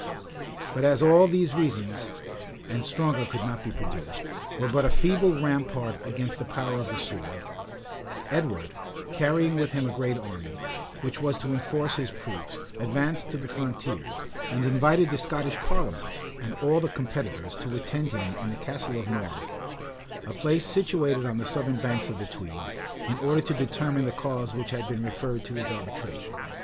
[] But as all these reasons (and stronger could not be produced) were but a feeble rampart against the power of the sword, Edward, carrying with him a great army, which was to enforce his proofs, advanced to the frontiers, and invited the Scottish parliament, and all the competitors, to attend him in the Castle of Norham, a place situated on the southern banks of the Tweed, in order to determine the cause which had been referred to his arbitration.